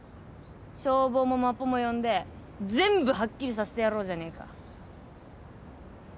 消防もマッポも呼んで全部はっきりさせてやろうじゃねえか。